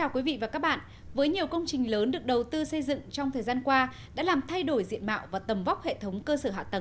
các bạn hãy đăng ký kênh để ủng hộ kênh của chúng mình nhé